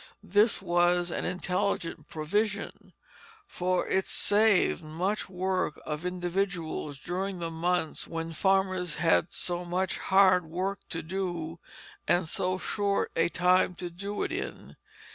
This was an intelligent provision; for it saved much work of individuals during the months when farmers had so much hard work to do, and so short a time to do it in.